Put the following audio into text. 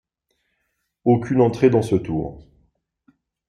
Aucune entrée dans ce tour.